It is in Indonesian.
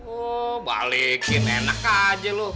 oh balikin enak aja loh